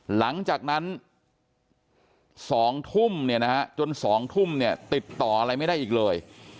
หลังจากนั้น๒ทุ่มเนี่ยนะฮะจน๒ทุ่มเนี่ยติดต่ออะไรไม่ได้อีกเลย